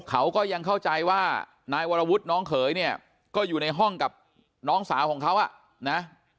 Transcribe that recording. เขาก็ยังเข้าใจว่านายวรวุฒิน้องเขยเนี่ยก็อยู่ในห้องกับน้องสาวของเขาอ่ะนะ